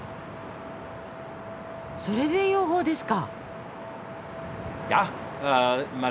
それで養蜂ですか。